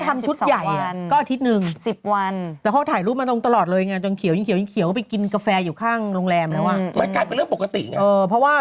แต่ทุกวันนี้ดูสิเชิดหน้าชูตากันทำกันได้โดยแบบเรื่องปกติเลยเนอะ